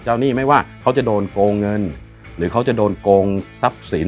หนี้ไม่ว่าเขาจะโดนโกงเงินหรือเขาจะโดนโกงทรัพย์สิน